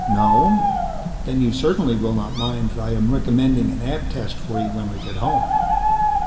"No? Then you certainly will not mind that I am recommending an Ab Test for you when we get home."